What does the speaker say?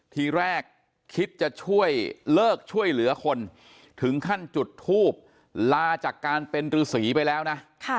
ทีแรกคิดจะช่วยเลิกช่วยเหลือคนถึงขั้นจุดทูบลาจากการเป็นฤษีไปแล้วนะ